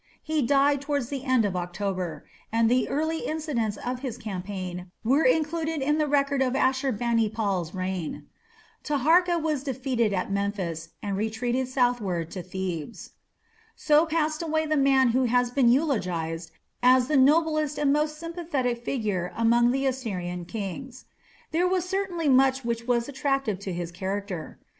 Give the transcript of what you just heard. He died towards the end of October, and the early incidents of his campaign were included in the records of Ashur bani pal's reign. Taharka was defeated at Memphis, and retreated southward to Thebes. So passed away the man who has been eulogized as "the noblest and most sympathetic figure among the Assyrian kings". There was certainly much which was attractive in his character.